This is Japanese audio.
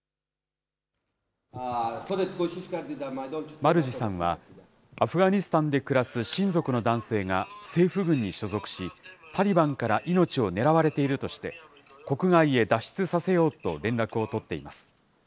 マルジさんはアフガニスタンで暮らす親族の男性が政府軍に所属し、タリバンから命を狙われているとして、国外へ脱出させようと連絡を取っています。